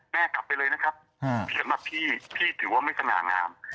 กลับไปเลยนะครับสำหรับพี่พี่ถือว่าไม่สง่างาม